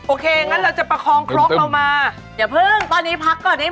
โอเคงั้นเราจะประคองครกเรามาอย่าเพิ่งตอนนี้พักก่อนดี